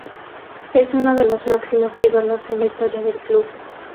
Es uno de los máximos ídolos en la historia del club.